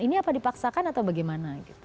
ini apa dipaksakan atau bagaimana